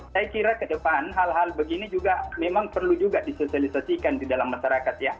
saya kira ke depan hal hal begini juga memang perlu juga disosialisasikan di dalam masyarakat ya